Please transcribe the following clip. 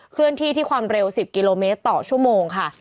เคลื่อนที่ที่ความเร็ว๑๐กิโลเมตรต่อชั่วโมงค่ะ